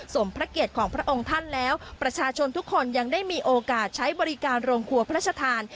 พระเกียรติของพระองค์ท่านแล้วประชาชนทุกคนยังได้มีโอกาสใช้บริการโรงครัวพระชธาน